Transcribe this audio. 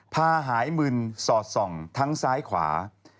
หายมึนสอดส่องทั้งซ้ายขวา